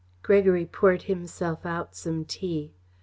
Gregory poured himself out some tea.